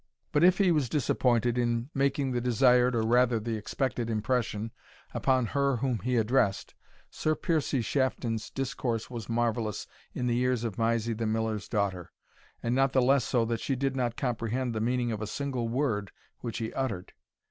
But if he was disappointed in making the desired, or rather the expected impression, upon her whom he addressed, Sir Piercie Shafton's discourse was marvellous in the ears of Mysie the Miller's daughter, and not the less so that she did not comprehend the meaning of a single word which he uttered.